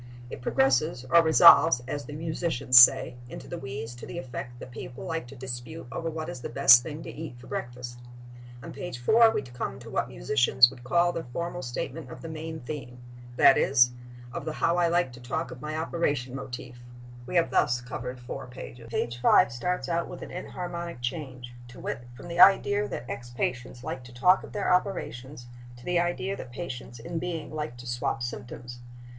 It progresses or resolves, as the musicians say, into the wheeze to the effect that people like to dispute over what is the best thing to eat for breakfast. On page 4 we come to what musicians would call the formal statement of the main theme—that is, of the how I like to talk of my operation motif. We have thus covered four pages. Page 5 starts out with an enharmonic change: to wit, from the idea that ex patients like to talk of their operations to the idea that patients in being like to swap symptoms.